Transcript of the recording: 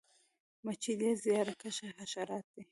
مچۍ ډیر زیارکښه حشرات دي